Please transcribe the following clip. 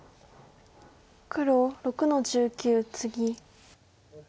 黒６の十九ツギ。